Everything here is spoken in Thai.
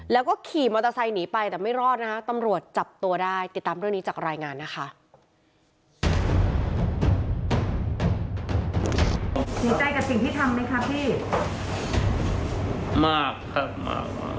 แล้วก็ขี่มอเตอร์ไซค์หนีไปแต่ไม่รอดนะคะตำรวจจับตัวได้ติดตามเรื่องนี้จากรายงานนะคะ